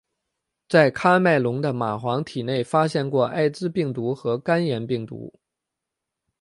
在喀麦隆的蚂蟥体内发现过艾滋病毒和肝炎病毒。